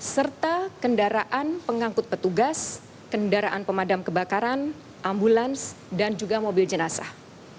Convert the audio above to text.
serta kendaraan pengangkut petugas kendaraan pemadam kebakaran ambulans dan juga mobil jenazah